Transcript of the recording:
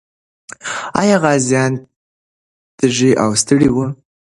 آیا غازیان تږي او ستړي وو؟